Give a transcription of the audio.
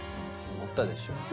思ったでしょ。